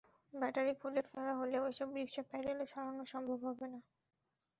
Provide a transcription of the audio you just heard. Battery খুলে ফেলা হলেও এসব রিকশা প্যাডেলে চালানো সম্ভব হবে না।